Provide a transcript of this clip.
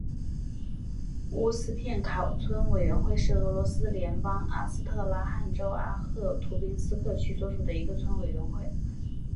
乌斯片卡村委员会是俄罗斯联邦阿斯特拉罕州阿赫图宾斯克区所属的一个村委员会。